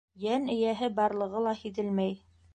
Йән эйәһе барлығы ла һиҙелмәй.